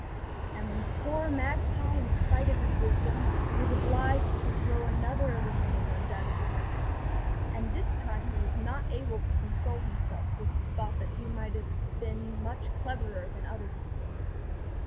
And the poor magpie, in spite of his wisdom, was obliged to throw another of his little ones out of the nest; and this time he was not able to console himself with the thought that he had been much cleverer than other people.